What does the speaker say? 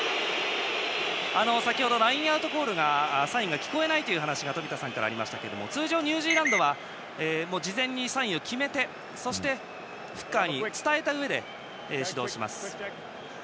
先ほど、ラインアウトのサインが聞こえないという話が冨田さんからありましたが通常ニュージーランドは事前にサインを決めてそして、フッカーに伝えたうえで始動します。